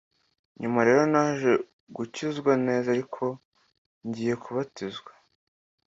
Nyuma rero naje gukizwa neza ariko ngiye kubatizwa